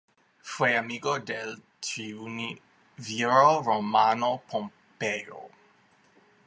Fue amigo del triunviro romano Pompeyo.